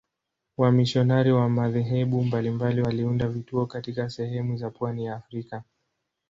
Wamisionari wa madhehebu mbalimbali waliunda vituo katika sehemu za pwani ya Afrika.